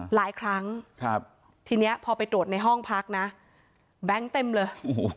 หลายครั้งทีนี้พอไปตรวจในห้องพักนะแบงค์เต็มเลย